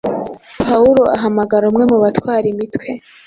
Pawulo ahamagara umwe mu batwara imitwe,